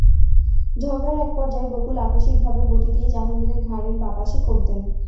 ঝগড়ার একপর্যায়ে বকুল আকস্মিকভাবে বঁটি দিয়ে জাহাঙ্গীরের ঘাড়ের বাঁ পাশে কোপ দেন।